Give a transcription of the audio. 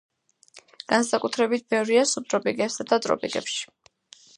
განსაკუთრებით ბევრია სუბტროპიკებსა და ტროპიკებში.